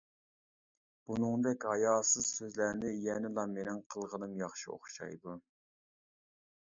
بۇنىڭدەك ھاياسىز سۆزلەرنى يەنىلا مىنىڭ قىلغىنىم ياخشى ئوخشايدۇ.